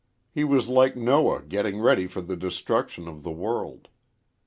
He was like Noah getting ready for the destruction of the world.